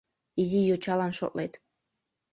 Изи йочалан шотлет?